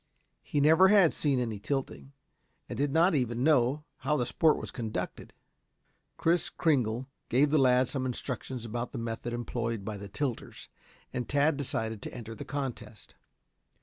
He never had seen any tilting, and did not even know how the sport was conducted. Kris Kringle gave the lad some instructions about the method employed by the tilters, and Tad decided to enter the contest.